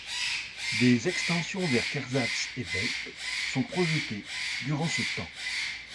Des extensions vers Kehrsatz et Belp sont projetées durant ce temps.